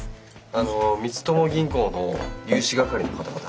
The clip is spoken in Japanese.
あの光友銀行の融資係の方々。